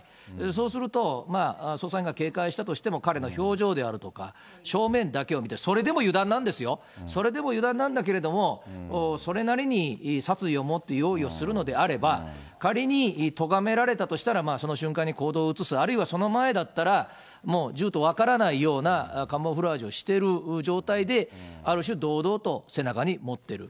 そうすると、捜査員が警戒したとしても、彼の表情であるとか、正面だけを見て、それでも油断なんですよ、それでも油断なんだけれども、それなりに殺意を持って用意をするのであれば、仮にとがめられたとしたら、その瞬間に行動を移す、あるいはその前だったら、もう銃と分からないようなカモフラージュをしている状態で、ある種、堂々と背中に持っている。